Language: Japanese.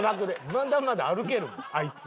まだまだ歩けるあいつ。